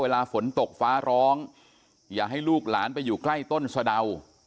เวลาฝนตกฟ้าร้องอย่าให้ลูกหลานไปอยู่ใกล้ต้นสะดาว